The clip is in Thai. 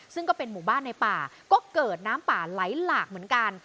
ซึ่งก็เป็นหมู่บ้านในป่าก็เกิดน้ำป่าไหลหลากเหมือนกัน